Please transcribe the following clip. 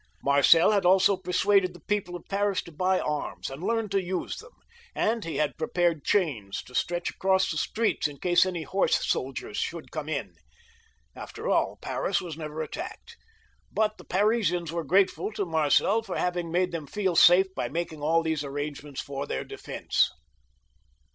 Marcel had also persuaded the people of Paris to buy arms, and learn to use them, and he had prepared chains to stretch across the streets in case any horse soldiers should come in. After aU, Paris was never attacked, but the Parisians were grateful to Marcel for having made them feel safe by making all these arrangements for their defence.